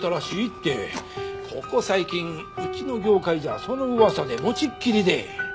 ここ最近うちの業界じゃその噂でもちっきりで。